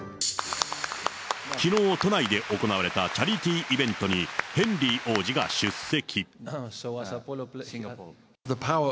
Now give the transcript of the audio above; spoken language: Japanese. きのう都内で行われたチャリティーイベントに、ヘンリー王子が出席。